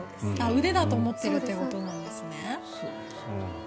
腕だと思っているということですね。